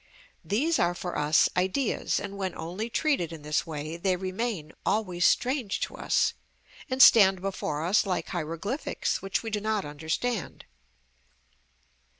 These are for us ideas, and when only treated in this way, they remain always strange to us, and stand before us like hieroglyphics which we do not understand.